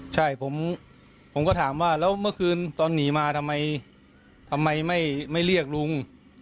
ใช่ผมก็ถามว่าแล้วเมื่อคืนตอนหนีมาทำไมทำไมไม่เรียกลุง